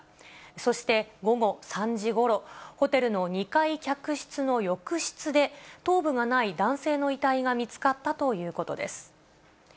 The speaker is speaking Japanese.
そして午後３時ごろ、ホテルの２階客室の浴室で、頭部がない男性の遺体が見つかったということです。